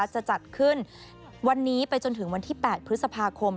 จะจัดขึ้นวันนี้ไปจนถึงวันที่๘พฤษภาคม